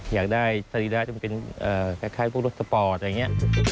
อยากได้สริราชมันเป็นคล้ายพวกรถสปอร์ตอะไรอย่างนี้